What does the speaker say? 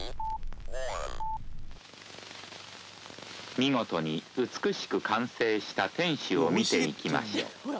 見事に美しく完成した天守を見ていきましょう。